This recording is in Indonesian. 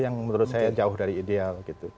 sepuluh yang menurut saya jauh dari ideal